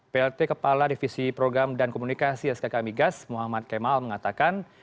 plt kepala divisi program dan komunikasi skk migas muhammad kemal mengatakan